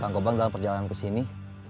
bangkobang dalam perjalanan ke sini